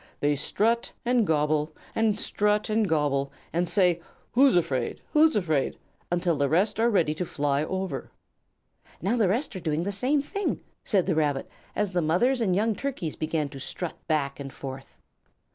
They strut and gobble, and strut and gobble, and say: 'Who's afraid? Who's afraid?' until the rest are ready to fly over." "Now the others are doing the same thing," said the Rabbit, as the mothers and young Turkeys began to strut back and forth.